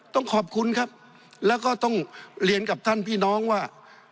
ต้องขอบคุณครับแล้วก็ต้องเรียนกับท่านพี่น้องว่า